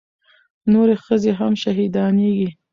نورې ښځې هم شهيدانېږي.